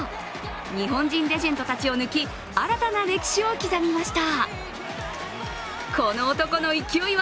日本人レジェンドたちを抜き新たな歴史を刻みました。